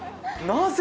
なぜ？